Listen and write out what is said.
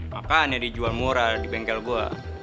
makannya dijual murah di bengkel gue